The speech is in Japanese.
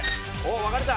分かれた！